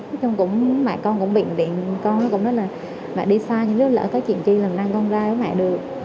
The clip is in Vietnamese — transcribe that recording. nói chung mẹ con cũng bệnh viện con mẹ đi xa nhưng lỡ có chuyện chi là năn con ra với mẹ được